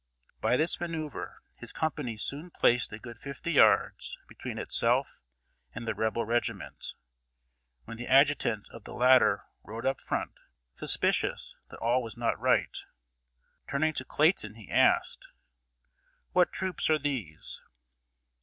By this maneuver his company soon placed a good fifty yards between itself and the Rebel regiment, when the Adjutant of the latter rode up in front, suspicious that all was not right. Turning to Clayton, he asked: "What troops are these?"